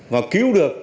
và cứu được